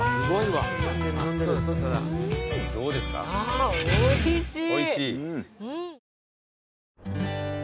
あっおいしい！